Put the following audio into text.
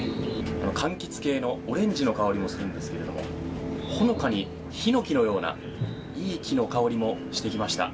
かんきつ系のオレンジの香りがするんですけれどもほのかにヒノキのようないい木の香りもしてきました。